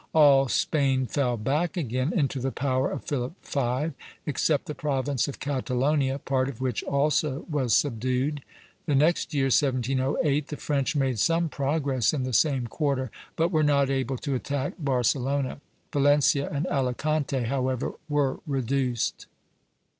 All Spain fell back again into the power of Philip V., except the province of Catalonia, part of which also was subdued. The next year, 1708, the French made some progress in the same quarter, but were not able to attack Barcelona; Valencia and Alicante, however, were reduced.